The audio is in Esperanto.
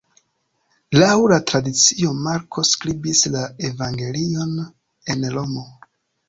Laŭ la tradicio Marko skribis la evangelion en Romo.